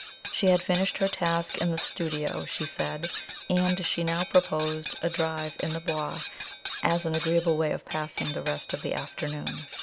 She had finished her task in the studio, she said, and she now proposed a drive in the Bois as an agreeable way of passing the rest of the afternoon.